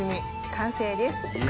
完成です。